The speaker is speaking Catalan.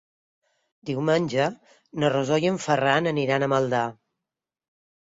Diumenge na Rosó i en Ferran aniran a Maldà.